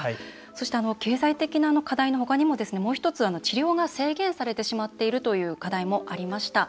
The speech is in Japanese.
そして、経済的な課題の他にももう一つ、治療が制限されてしまっているという課題もありました。